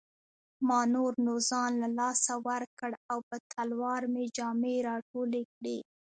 ما نور نو ځان له لاسه ورکړ او په تلوار مې جامې راټولې کړې.